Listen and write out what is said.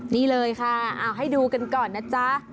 นี่เลยค่ะเอาให้ดูกันก่อนนะจ๊ะ